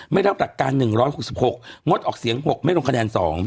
ไม่รับหลักการ๑๖๖งดออกเสียง๖ไม่ลงคะแนน๒